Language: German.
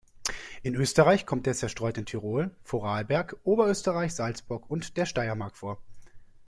In Österreich kommt er zerstreut in Tirol, Vorarlberg, Oberösterreich, Salzburg und der Steiermark vor.